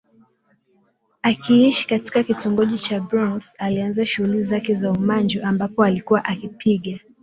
akiishi katika kitongoji cha Bronx alianza shughuli zake za Umanju ambapo alikuwa akipiga